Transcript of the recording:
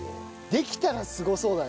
できたらすごそうだね。